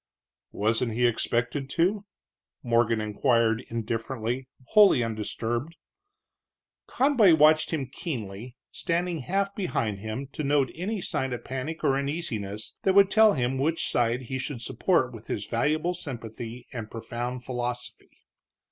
"Wasn't he expected to?" Morgan inquired, indifferently, wholly undisturbed. Conboy watched him keenly, standing half behind him, to note any sign of panic or uneasiness that would tell him which side he should support with his valuable sympathy and profound philosophy.